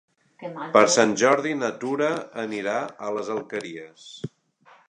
Per Sant Jordi na Tura anirà a les Alqueries.